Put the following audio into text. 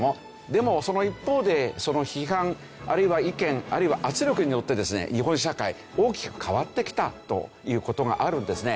でもその一方でその批判あるいは意見あるいは圧力によってですね日本社会大きく変わってきたという事があるんですね。